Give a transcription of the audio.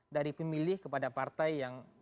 dari pemilih kepada partai yang